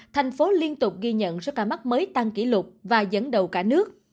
thành phố liên tục ghi nhận số ca mắc mới tăng kỷ lục và dẫn đầu cả nước